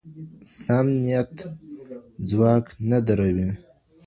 سم نیت ځواک نه دروي.